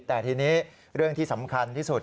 แต่ทีนี้เรื่องที่สำคัญที่สุด